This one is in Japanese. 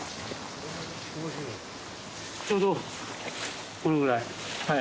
ちょうどこのくらい。